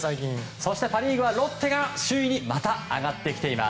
そしてパ・リーグはロッテがまた上がってきています。